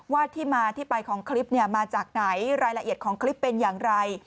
ที่มาที่ไปของคลิปมาจากไหนรายละเอียดของคลิปเป็นอย่างไร